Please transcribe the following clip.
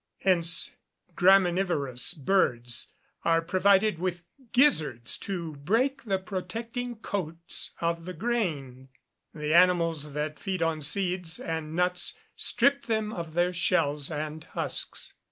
Hence graminivorous birds are provided with gizzards to break the protecting coats of the grain; and animals that feed on seeds and nuts strip them of their shells and husks.